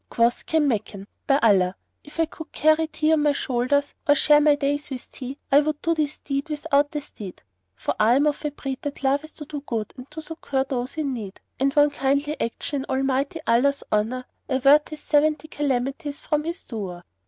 Quoth Kanmakan, By Allah, if I could carry thee on my shoulders or share my days with thee, I would do this deed without the steed! For I am of a breed that loveth to do good and to succour those in need; and one kindly action in Almighty Allah's honour averteth seventy calamities from its doer.